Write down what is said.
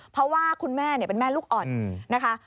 เพราะว่าคุณแม่เป็นแม่ลูกอ่อนนะคะ